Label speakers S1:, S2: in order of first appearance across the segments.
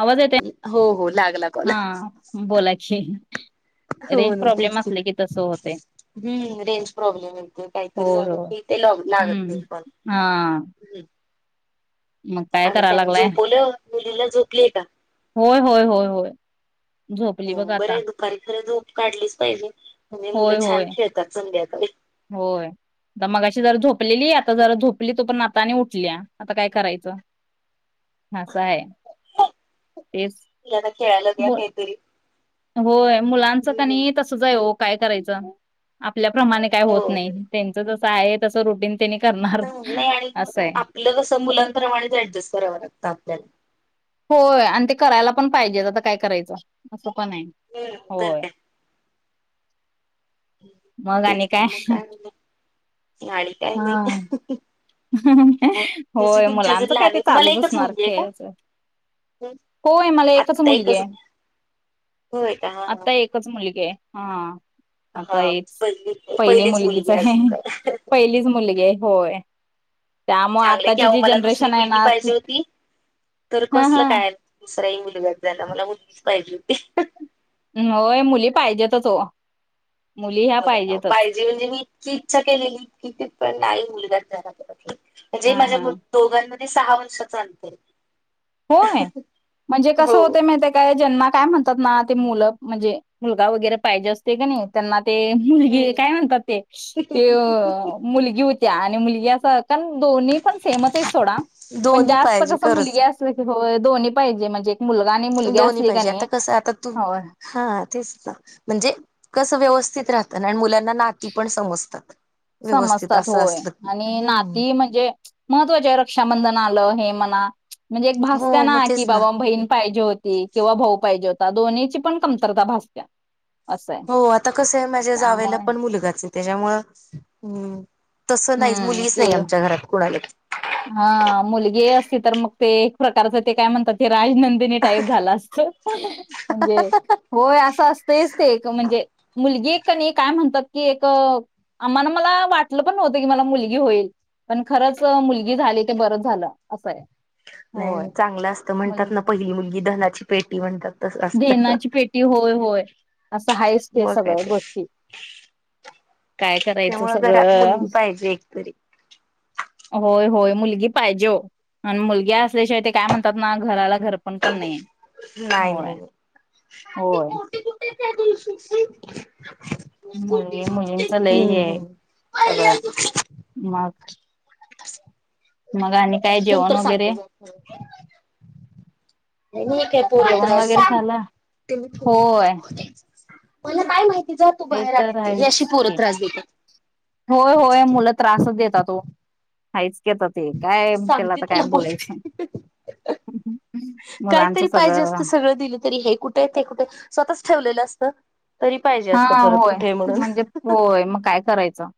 S1: आवाज येतोय
S2: हो हो लागला कॉल
S1: हा बोलाकी
S2: हो
S1: रेंज
S2: ना तेच
S1: प्रॉब्लेम असल की तसं होतंय
S2: हम्म रेंज प्रॉब्लेम येतोय काहीतरी
S1: होय
S2: झालं
S1: होय
S2: की ते लागत
S1: हम्म.
S2: नाही कॉल
S1: हा मग काय
S2: आणि
S1: कराय
S2: त्यां
S1: लागलाय?
S2: झोपवलं मुलीला झोपलीय का
S1: होय होय होय होय झोपली बघ
S2: हम्म
S1: आता.
S2: बरंय दुपारी खरं झोप काढलीच पाहिजे म्हणजे मुलं
S1: होय
S2: छान
S1: होय
S2: खेळतात संध्याकाळी
S1: होय आता मगाशी जरा झोपलेली आता जरा झोपली तो पण आता आणि उठल्या आता काय करायचं अस हाय
S2: तिला ना खेळायला द्या
S1: मु
S2: काहीतरी
S1: होय मुलांच का
S2: हम्म
S1: नाही तसच हाय ओ काय करायच आपल्याप्रमाणे काय होत
S2: हो
S1: नाही त्यांच जस आहे तस रुटीन त्यांनी करणार अस आहे
S2: आपल कस मुलांप्रमाणेच ऍडजस्ट कराव लागत आपल्याला
S1: होय आणि ते करायला पण पाहिजेच आता काय करायच अस पण आहे
S2: बर तर
S1: होय
S2: काय काय
S1: मग
S2: तेच
S1: आणि काय
S2: मग म्हणलं आणि काय
S1: हा
S2: नाही जशी
S1: होय
S2: तुमच्या जर
S1: मुलांच काय
S2: लहान
S1: ते
S2: आहे तुम्हाला
S1: चालुच
S2: एकच
S1: असणार
S2: मुलगी आहे
S1: खेळायच
S2: का
S1: होय मला एकच मुलगी आहे
S2: होय का हा हा
S1: आता एकच मुलगी आहे हां
S2: हा
S1: आता हेच
S2: पहिली
S1: पहिली
S2: पहिलीच
S1: मुलगीच
S2: मुलगी
S1: आहे
S2: अजून काय
S1: पहिलीच मुलगी आहे होय त्यामुळे
S2: चांगल आहे की
S1: आताची
S2: अहो
S1: जी
S2: मला दुसरी
S1: जनरेशन आहे
S2: मुलगी
S1: ना ती-
S2: पाहिजे होती तर
S1: हा
S2: कसल
S1: हा
S2: काय दुसराही मुलगाच झाला मला मुलगीच पाहिजे होती
S1: होय मुली पाहिजेतच हो मुली ह्या
S2: बघा
S1: पाहिजेतच
S2: पाहिजे म्हणजे मी इतकी इच्छा केले की पण नाही मुलगाच झाला जे
S1: हा
S2: माझ्या
S1: हा
S2: मम्मी दोघांमध्ये सहा वर्षाच अंतर आहे
S1: होय म्हणजे कस
S2: हो
S1: होते माहित आहे काय काय ज्यांना काय म्हणतात ना ते मुल म्हणजे मुलगा वगैरे पाहिजे असते का नाही त्यांना ते मुलगी काय
S2: हम्म
S1: म्हणतात ते ते मुलगी होत्या आणि मुलगी अस कारण दोन्ही पण सेमच आहे सोडा पण
S2: दोन्ही
S1: जास्त
S2: पाहिजे
S1: कस
S2: खरंच
S1: मुलगी अस होय दोन्ही पाहिजे म्हणजे एक मुलगा आणि मुलगी
S2: दोन्ही
S1: असली
S2: पाहिजे
S1: कानी
S2: आता कसं आता तू
S1: होय
S2: हा तेच ना म्हणजे कस व्यवस्थित राहत ना आणि मुला ना नाती पण समजतात व्यवस्थित
S1: समजतात
S2: असं
S1: होय
S2: असलं की
S1: आणि नाती
S2: हम्म
S1: म्हणजे महत्त्वाचे रक्षाबंधन आल हे म्हणा म्हणजे एक भासत्या
S2: हो मग
S1: ना की
S2: तेच
S1: बाबा बहीण पाहिजे होती किंवा भाऊ पाहिजे होता दोन्हींची पण कमतरता भासत्या असं आहे
S2: हो आता कस आहे माझ्या जावेला
S1: त्यामुळे
S2: पण मुलगाच त्याच्यामुळ हम् तस नाहीच
S1: हम्म
S2: मुलीच
S1: ते
S2: नाही आमच्या घरात कुणालाच
S1: हा मुलगी असती तर मग ते एक प्रकारच ते काय म्हणतात ते राजनंदिनी टाईप झाला असत म्हणजे होय अस असतयच ते एक म्हणजे मुलगी कणी काय म्हणतात की एक आम्हाला मला वाटल पण नव्हत की मला मुलगी होईल पण खरंच मुलगी मुलगी झाली ते बरच झाल अस आहे होय
S2: नाही चांगल असत म्हणतात ना
S1: मुलगी
S2: पहिली मुलगी धनाची पेटी म्हणतात तसं असतं.
S1: धनाची पेटी होय होय अस आहेच ते
S2: मग काय
S1: सगळ्या
S2: तर
S1: गोष्टी काय करायच
S2: त्यामुळं घरात
S1: सगळ
S2: मुलगी पाहिजे [inaudible]
S1: होय होय मुलगी पाहिजे ओ आणि मुलगी असल्याशिवाय ते काय म्हणतात ना घराला घरपण पण नाही
S2: नाही नाही
S1: होय
S2: गोठी कुठे हाय त्यादिवशीची [unintelligible]
S1: मुलगी मुलींच लय हे सगळ मग मग आणि काय जेवण
S2: नंतर
S1: वगैरे
S2: सांगते मग ठिक आहे पोरीच
S1: जेवण
S2: [unintelligible]
S1: वगैरे
S2: सांग
S1: झालं
S2: ते
S1: होय
S2: मला काय माहिती, जा तू
S1: ते
S2: बाहेर आदि,
S1: तर
S2: हे अशी
S1: आहेच
S2: पोर
S1: की
S2: त्रास
S1: होय
S2: देत्यात.
S1: त्रासच देतात ओ. हायच की आता ते, काय त्याला आता काय बोलायचं सांग.
S2: काहीतरी पाहिजे असत, सगळं दिलं तरी हे कुठ ते ते कुठे स्वतःच ठेवलेलं असतं. तरी पाहिजे
S1: हा
S2: असतं परत
S1: होय,
S2: कुठे म्हणून
S1: म्हणजे होय मग काय करायचं.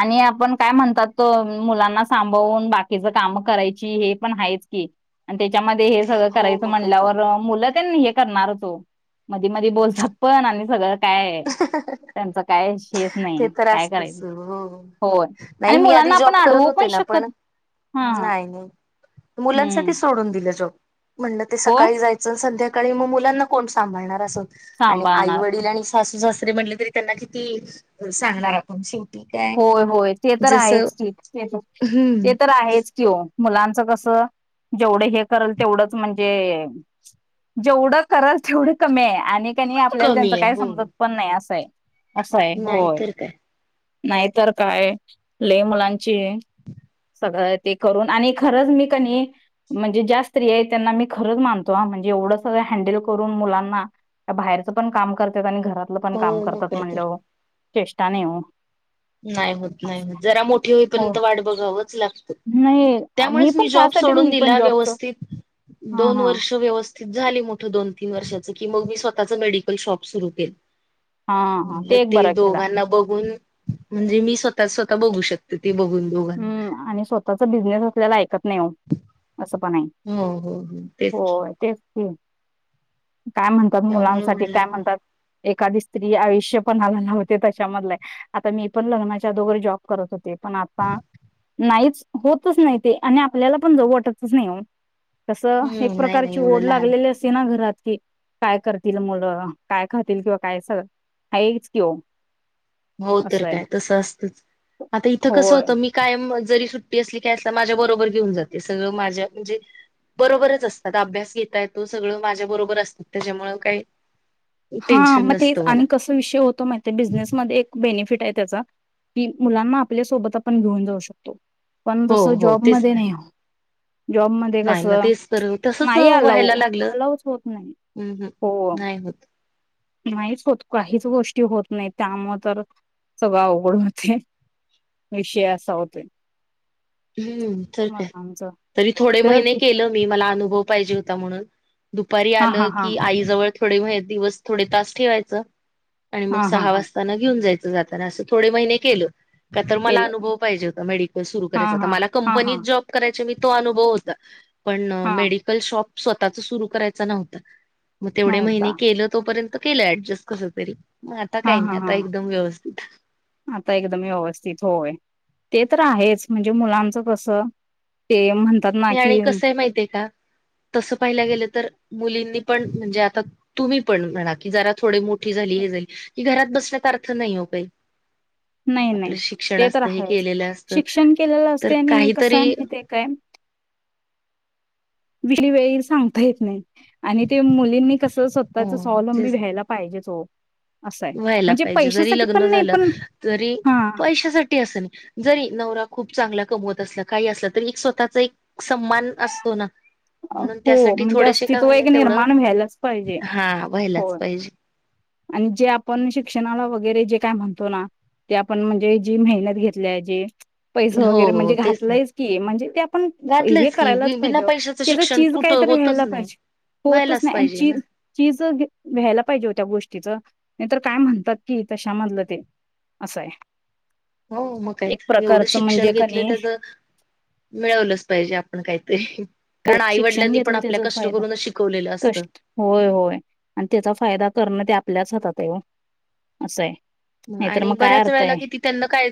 S1: आणि आपण काय म्हणतात त मुलांना सांभाळून बाकीचं कामं करायची हे पण आहेच की. आणि त्याच्यामध्ये हे सगळं
S2: हो
S1: करायचं
S2: मग कायतरी
S1: म्हणल्यावर. मुलं तेन हे करणारच ओ, मधी मधी बोलतात पण आणि सगळंच. काय? त्यांच काय श
S2: ते
S1: नाही
S2: तर
S1: काय
S2: असतच
S1: करायचं,
S2: हो.
S1: होय आणि
S2: नाही मी आधी
S1: मुलांना
S2: जॉब
S1: आपण अडवू पण शकत हा. हम्म
S2: मुलांनसाठी सोडून दिला जॉब, म्हणलं ते
S1: होय
S2: सकाळी जायचं जर संध्याकाळी मग मुलांना कोण सांभाळणार अस होतं, आणि आई
S1: सांभाळणार
S2: वडील आणि सासू सासरे म्हटले तरी त्यांना किती सांगणार. शेती काय.
S1: होय होय ते तर
S2: जसं
S1: आहेच की, ते
S2: हम्म
S1: तर आहेच की हो. मुलांचं कस, जेवढं हे करेल तेवढंच म्हणजे जेवढं करल तेवढं कमी आहे आणि त्यांनी आपल्याला
S2: कमी
S1: त्यांच
S2: आहे
S1: काय
S2: हो
S1: समजत पण नाही असंय, असंय होय.
S2: नाहीतर काय
S1: नाहीतर काय, लयी मुलांची. सगळं ते करून, आणि खरंच मी कनी म्हणजे ज्या स्त्री आहेत त्यांना मी खरंच मानतो ह, म्हणजे एवढं संगळ हँडल करून मुलांना बाहेरच पण काम करत्यात, आणि घरातलं पण काम
S2: हो मग
S1: करतात
S2: काय तर.
S1: म्हणल्यावर चेष्टा नाही ओ.
S2: नाही होत, नाही होत. जरा मोठी
S1: होय.
S2: होईपर्यंत वाट बघावच लागतं.
S1: नाही
S2: त्यामुळेच
S1: पण
S2: मी जॉब
S1: त्यासाठीच
S2: सोडून
S1: मी पण
S2: दिला,
S1: जॉबच
S2: व्यवस्थित
S1: हां,
S2: दोन
S1: हां.
S2: वर्ष व्यवस्थित झाली मोठं दोन तीन वर्षाचं की मग मी, स्वतःच मेडिकल शॉप सुरू केल.
S1: हां, हां. एक
S2: ते
S1: बरं केला.
S2: दोघांना बघून म्हणजे, मी स्वतः स्वतः बघू शकते ते बघू शकते.
S1: हम्म आणि स्वतःचा बिझनेस असलेला ऐकत नाही ओ असं पण आहे.
S2: हो हो तेच की.
S1: होय, तेच की, काय म्हणतात
S2: त्यामुळे
S1: मुलांसाठी
S2: म्हणलं
S1: काय
S2: आता
S1: म्हणतात. एखादी स्त्री आयुष्य पणाला लावते तशामधल आहे. आता मी पण लग्नाच्या अगोदर जॉब करत होते पण हा नाहीच होतच नाही ते, आणि आपल्याला पण जाऊ वाटतच नाही ओ. कस एक
S2: हम्म नाही नाही
S1: प्रकारची
S2: एवढं
S1: ओढ
S2: लहान
S1: लागलेली अस ना घरात कि, काय करतील मुलं काय खातील किंवा काय स आहे हेच की ओ.
S2: हो तर
S1: असं आहे.
S2: काय तसं असतंच, आता इथं कसं
S1: होय.
S2: होतं मी कायम जरी सुट्टी असली काय असलं, माझ्या बरोबर घेऊन जाते सगळं माझ्या म्हणजे. बरोबरच असतात अभ्यास घेता येतो, सगळं माझ्या बरोबर असतात त्याच्यामुळ काही.
S1: हा
S2: टेन्शन
S1: मग तेच
S2: नसतं मला
S1: आणि कस विषय होतो माहितेय? बिझनेसमध्ये एक बेनिफिट आहे त्याचा की, मुलांना आपल्या सोबत आपण घेऊन जाऊ शकतो. पण
S2: हो
S1: तस
S2: हो तेच
S1: जॉबमध्ये
S2: ना.
S1: नाही हो. जॉबमध्ये कस,
S2: नाही ना तेच तर तसच
S1: नाही आलाऊ
S2: व्हायला लागलं
S1: आलाऊ च होत नाही.
S2: हम्म हम्म,
S1: हो,
S2: नाही होत.
S1: नाहीच होत. काहीच गोष्टी होत नाहीत, त्यामुळे तर सगळं अवघड होतय. विषय असा होतोय.
S2: हम्म, तर काय.
S1: मला आमचा
S2: तरी थोडे
S1: तर
S2: महिने
S1: ते
S2: केलं मी. मला अनुभव पाहिजे होता म्हणून. दुपारी
S1: हां,
S2: आलं
S1: हां, हां.
S2: की, आई जवळ थोडे दिवस, थोडे तास ठेवायचं. आणि मग
S1: हां, हां,
S2: सहा
S1: हां.
S2: वाजताना घेऊन जायचं जाताना, असं थोडे महिने केले. का? तर मला
S1: केलं.
S2: अनुभव पाहिजे होता, मेडिकल सुरु
S1: हां,
S2: करायचा.
S1: हां.
S2: मला
S1: हां,
S2: कंपनीत
S1: हां.
S2: जॉ जॉब करायचे मी. तो अनुभव होता, पण
S1: हां,
S2: मेडिकल शॉप स्वतःच सुरु करायच नव्हत, मग तेवढे
S1: नव्हता.
S2: महिने केलं तोपर्यंत केलं ऍडजस्ट कस तरी, मग आता
S1: हां,
S2: काही नाही
S1: हां,
S2: आता
S1: हां.
S2: एकदम व्यवस्थित.
S1: आता एकदम व्यवस्थित होय. ते तर आहेच म्हणजे मुलांचं कसं ते म्हणतात ना
S2: नाही
S1: की
S2: आणि कसं माहितीय का? तसं पाहिलं गेलं तर, मुलींनी पण म्हणजे आता तुम्ही पण म्हणा की, जरा थोडे मोठ झाली हे झाली की, घरात बसण्यात अर्थ नाही हो काही.
S1: नाही नाही,
S2: आपलं शिक्षण
S1: ते तर
S2: असतं हे
S1: आहेच.
S2: केलेलं असतं
S1: शिक्षण केलेलं
S2: तर
S1: असतय आणि कसंय
S2: काहीतरी
S1: माहितेय काय? वेळ येईल सांगता येत नाही, आणि ते मुलींनी कसं स्वतःच
S2: अ
S1: स्वावलंबी व्हायला पाहिजेच ओ. असं आहे.
S2: व्हायला
S1: म्हणजे
S2: पाहिजे. जरी
S1: पैशासाठी
S2: लग्न
S1: पण नाही
S2: झालं,
S1: पण
S2: तरी
S1: हा
S2: पैशासाठी अस नाही जरी नवरा खूप चांगला कमवत असला, काही असला, तरी एक स्वतःचा एक सम्मान असतो ना. म्हणून
S1: हो
S2: त्यासाठी
S1: म्हणजे
S2: थोडेसे का
S1: अस्तित्व
S2: होईना
S1: एक
S2: तेवढं,
S1: निर्माण व्हायलाच पाहिजे
S2: हा, व्हायलाच
S1: होय.
S2: पाहिजे.
S1: आणि जे आपण शिक्षणाला वगैरे जे काय म्हणतो ना. ते आपण म्हणजे जी मेहनत घेतल्या जे पैसे वगैरे म्हणजे
S2: हो तेच ना
S1: घातलंयच की, म्हणजे ते आपण हे
S2: घातलंच की
S1: करायलाच
S2: बि- बिना
S1: पाहिजे ओ,
S2: पैशाचं
S1: त्याच
S2: शिक्षण
S1: चीज
S2: कुठं
S1: कायतरी
S2: होतच
S1: व्हायला
S2: नाही
S1: पाहिजे. होतच
S2: व्हायलाच
S1: नाही आणि
S2: पाहिजे ना
S1: चीज चीज व्यायला पाहिजे ओ त्या गोष्टीचं. नाही तर काय म्हणतात की, तशामधलं ते. असंय.
S2: हो, मग काय त एवढं शिक्षण
S1: म्हणजे
S2: घेतलं
S1: कणी
S2: त्याच मिळवलंच पाहिजे आपण काहीतरी. कारण
S1: शिक्षण
S2: आईवडिलांनी पण
S1: घेतलं
S2: आपल्या
S1: त्याचा
S2: कष्ट
S1: फायदा
S2: करूनच शिकवलेलं असतं.
S1: कष्ट होय होय, आणि त्याचा फायदा करणं, ते आपल्याच हातात आहे ओ असंय. नाही तर
S2: आणि
S1: मग काय
S2: बऱ्याच
S1: अर्थ
S2: वेळेला
S1: आहे.
S2: किती त्यांना काय,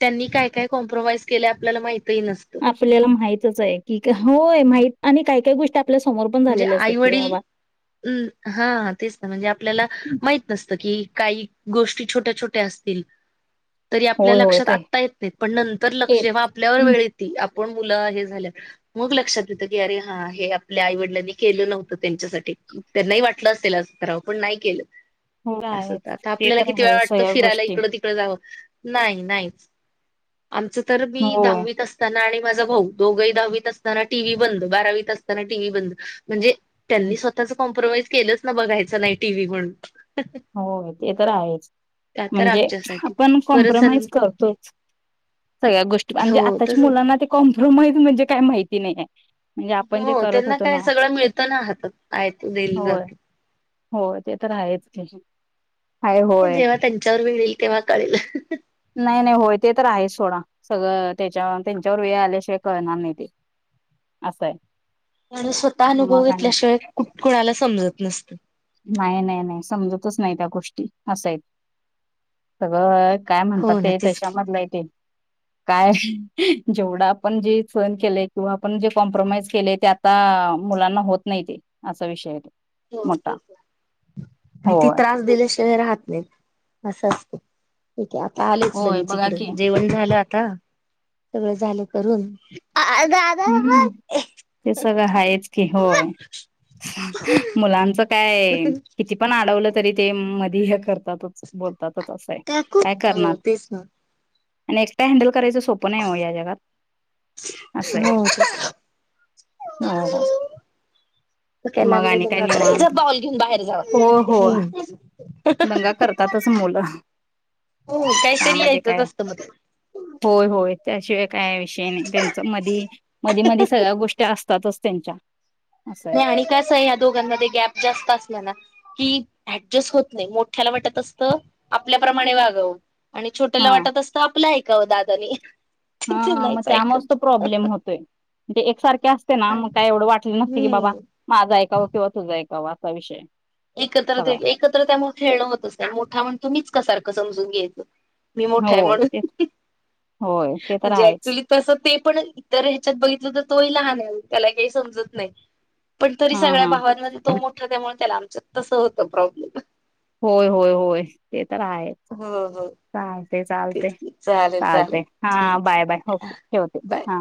S2: त्यांनी काय काय कॉम्प्रोमाइज केलंय. आपल्याला माहितही नसतं.
S1: आपल्याला माहितच आहे की, होय. माह आणि काही काही गोष्टी आपल्या समोर पण झालेल्या असतात की, बाबा
S2: हम्म, हा तेच ना. म्हणजे आपल्याला माहित नसतं की, काही गोष्टी छोट्या छोट्या असतील. तरी आपल्या
S1: होय होय
S2: लक्षात
S1: काय
S2: आत्ता येत नाहीत, पण नंतर लक्ष
S1: येत
S2: जेव्हा आपल्यावर
S1: हं,
S2: वेळ येती. आपण मुलं हे झाल्या मग लक्षात येतं की, अरे, हा हे आपल्या आईवडी केलं नव्हतं त्यांच्यासाठी. त्यांनाही वाटलं असेल असं करावं, पण नाही केलं.
S1: हो
S2: असंच.
S1: आहेच
S2: आता
S1: ते
S2: आपल्याला
S1: तर
S2: किती वेळा
S1: आहे
S2: वाटतं,
S1: सगळ्या
S2: फिरायला
S1: गोष्टी
S2: इकडं तिकडं जावं. नाही नाही, आमच तर मी
S1: होय
S2: दहावीत अस ताना आणि माझा भाऊ दोघही दहावीत असताना टी व्ही बंद, बारावीत असताना टी व्ही बंद. म्हणजे
S1: हं,
S2: त्यांनी स्वतःच कॉम्प्रोमाइज केलंच ना, बघायचं नाही टी व्ही म्हणून.
S1: हो, ते तर आहेच.
S2: त्या तर
S1: म्हणजे
S2: आमच्यासाठी
S1: आपण
S2: परत सन
S1: कॉम्प्रोमाइज करतोच सगळ्या गोष्टी,
S2: हो
S1: म्हणजे आताच्या
S2: तस
S1: मुलांना ते कॉम्प्रोमाइज म्हणजे काय माहिती नाहीये. म्हणजे आपण जे
S2: हो,
S1: करत
S2: त्यांना
S1: होतो
S2: काय
S1: ना
S2: सगळं मिळतं ना हातात. आयत दिलं जात.
S1: हो, ते तर आहेच की. आहे
S2: हे
S1: होय
S2: जेव्हा त्यांच्यावर वेळ येईल तेव्हा कळेल.
S1: नाही नाही, होय, ते तर आहेच सोडा, सगळं त्याच्या त्यांच्यावर वेळ आल्याशिवाय कळणार नाही ते. असंय.
S2: म्हणजे स्वतः अनुभव घेतल्याशिवाय कुठ कुणाला समजत नसत.
S1: नाही नाही नाही, समजतचं नाही त्या गोष्टी असंय. सगळं काय म्हणतात
S2: हो ना
S1: ते
S2: तेच की.
S1: तश्यामधलंय तेे. काय जेवढा आपण जे सहण केलेय किंवा आपण जे कॉम्प्रोमाइज केले त्यात ता मुलांना होत नाही ते असा विषय तो.
S2: होय.
S1: मोठा
S2: अन् ती
S1: होय
S2: त्रास दिल्याशिवाय राहत नाही असं असतं. ठीक आहे आता आलेच
S1: होय
S2: लगेच
S1: बघा की
S2: इकडं जेवण झालं आता, सगळं झालं करून
S1: हम्म, ते सगळं आहेच की होय. मुलांच काय किती पण अडवलं तरी ते मधी हे कर तात बोलतातच असं आहे
S2: काकू
S1: काय
S2: हो
S1: करणार?
S2: तेच ना
S1: आणि एकटं हँडल करायचं सोपं नाही ओ या जगात. असं आहे
S2: हो.
S1: हो हो.
S2: [unintelligible]
S1: मग आणि काय निवांत
S2: जा बॉल घेऊन बाहेर जावा.
S1: हो हो, दंगा करतातच मुलं.
S2: हो काहीतरी
S1: त्यामध्ये
S2: यायचंच
S1: काय
S2: असतं मध्ये.
S1: होय होय, त्याशिवाय काय विषयी नाही त्यांच मधी मधी मधी सगळ्या गोष्टी असतातच त्यांच्या. असं आहे
S2: नाही आणि कसं आहे या दोघांमध्ये गॅप जास्त असलाना की ऍडजस्ट होत नाही, मोठ्याला वाटत असतं आपल्याप्रमाणे वागावं आणि
S1: हा
S2: छोट्याला वाटत असतं आपलं ऐकावं दादानी. ते
S1: हा मग
S2: नाहीच
S1: त्यामुळंच
S2: ऐकत
S1: तर प्रॉब्लेम होतोय. मग ते एकसारखे असते ना मग काय एवढं वाटलं नसते की बाबा
S2: हम्म
S1: माझा ऐकावं किंवा तुझा ऐकावं असा विषय.
S2: एकत्र
S1: सगळा
S2: एकत्र त्यामुळे खेळणं होतचं नाही मोठा म्हणतो मीच का सारखं समजून घ्यायचं. मी मोठा आहे
S1: होय ते
S2: म्हणून,
S1: होय ते तर
S2: म्हणजे
S1: आहेच
S2: ऍक्च्युली तसं ते पण इतर ह्याच्यात बघितलं तर तोही लहान आहे त्याला काही समजत नाही. पण तरी
S1: हा
S2: सगळ्या
S1: हा
S2: भावांमध्ये तो मोठा त्यामुळे त्याला आमचं तसं होतं प्रॉब्लेम.
S1: होय होय होय, ते तर आहे.
S2: हं हं. तेच की चालेल
S1: चालते
S2: चालेल,
S1: हा
S2: ठीक
S1: बाय बाय
S2: आहे
S1: ओके ठेवते
S2: बाय.
S1: हा